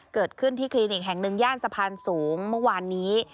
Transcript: เกิดขึ้นที่คลินิกแห่งหนึ่งย่านสะพานสูงเมื่อวานนี้